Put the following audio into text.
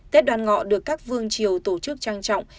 tết đoàn ngọ được các vương triều tổ chức trang trọng